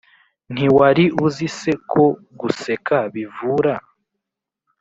ntiwari uzi se ko guseka bivura